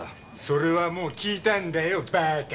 それはもう聞いたよバーカッ‼